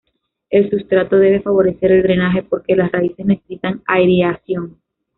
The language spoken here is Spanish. El sustrato debe favorecer el drenaje porque las raíces necesitan aireación.